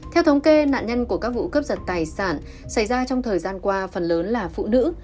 theo thống kê nạn nhân của các vụ cướp giật tài sản xảy ra trong thời gian qua phần lớn là phụ nữ